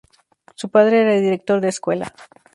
Su padre era director de escuela.